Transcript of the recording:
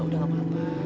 udah gak perlu ma